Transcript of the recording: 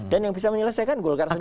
dan yang bisa menyelesaikan golkar sendiri